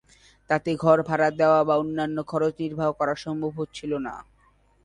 তাতে ঘর ভাড়া দেওয়া বা অন্যান্য খরচ নির্বাহ করা সম্ভব হচ্ছিল না।